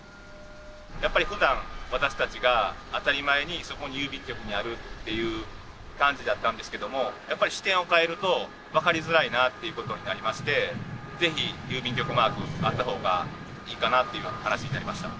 やっぱりふだん私たちが当たり前にそこに郵便局があるっていう感じだったんですけどもやっぱり視点を変えると分かりづらいなっていうことになりましてぜひ郵便局マークあった方がいいかなっていう話になりました。